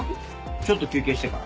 ちょっと休憩してから。